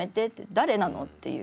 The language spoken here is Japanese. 「誰なの？」っていう。